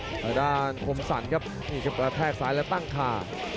ประดานคมสัตว์ครับเป็นแพร่แก้กซ้ายและตั้งข่า